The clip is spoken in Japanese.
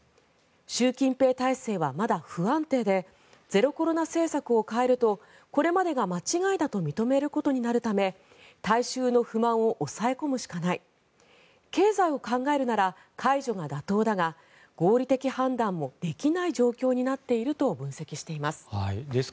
習近平体制はまだ不安定でゼロコロナ政策を変えるとこれまでが間違いだと認めることになるため大衆の不満を抑え込むしかない経済を考えるなら解除が妥当だが合理的判断もできない状況になっていると分析しています。